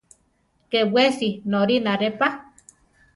Ké wesi norínare pa.